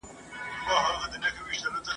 بيا به ګورئ بيا به وينئ ..